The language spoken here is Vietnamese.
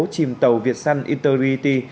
chìm tàu việt săn eterity